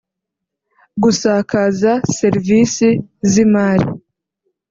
gusakaza serivisi z’imari